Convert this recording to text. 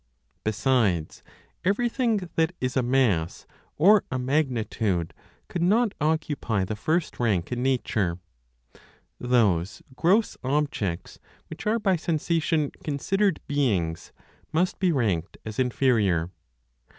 Besides everything that is a mass or a magnitude could not occupy the first rank in nature; those gross objects which are by sensation considered beings must be ranked as inferior.